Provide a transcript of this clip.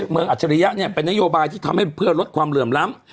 อัจฉริยะเนี่ยเป็นนโยบายที่ทำให้เพื่อลดความเหลื่อมล้ำ